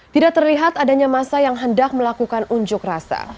tidak terlihat adanya masa yang hendak melakukan unjuk rasa